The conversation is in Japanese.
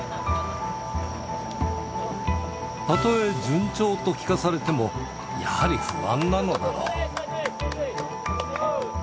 たとえ順調と聞かされても、やはり不安なのだろう。